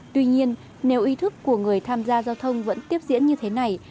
tuy nhiên nếu ý thức của người tham gia giao thông vẫn tiếp diễn như thế này